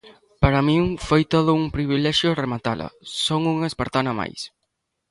"Para min foi todo un privilexio rematala, son unha espartana máis".